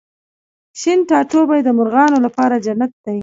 شین ټاټوبی د مرغانو لپاره جنت دی